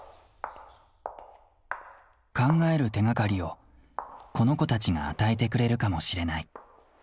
考える手がかりをこの子たちが与えてくれるかもしれない。